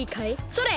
それ！